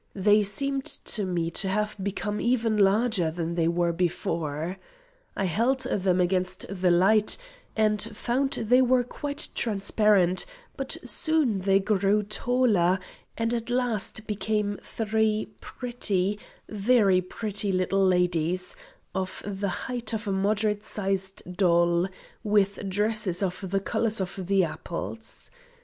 They seemed to me to have become even larger than they were before. I held them against the light, and found they were quite transparent, but soon they grew taller, and at last became three pretty very pretty little ladies, of the height of a moderate sized doll, with dresses of the colours of the apples.